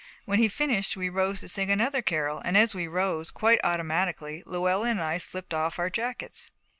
When he finished, we rose to sing another carol, and as we rose, quite automatically Luella and I slipped off our jackets.